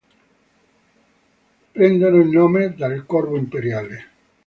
Prendono il nome dal corvo imperiale.